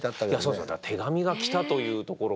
そうそう手紙が来たというところが。